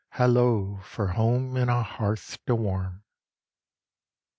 Hallo for home and a hearth to warm!"